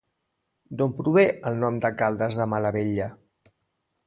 D'on prové el nom de Caldes de Malavella?